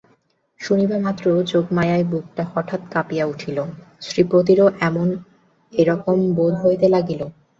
শুনিবামাত্র যোগমায়ার বুকটা হঠাৎ কাঁপিয়া উঠিল, শ্রীপতিরও কেমন একরকম বোধ হইতে লাগিল।